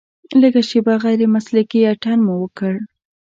لږه شېبه غیر مسلکي اتڼ مو وکړ.